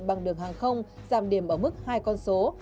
bằng đường hàng không giảm điểm ở mức hai con số